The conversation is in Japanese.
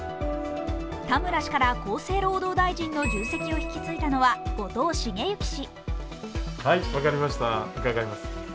田村氏から厚生労働大臣の重責を引き継いだのは後藤茂之氏。